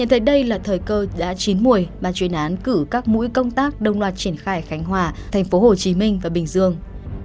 sẽ thấy đây là thời cơ đã chín mùi ban chuyên án cử các mũi công tác đông loạt triển khai khánh hòa thành phố hồ chí minh và bình dương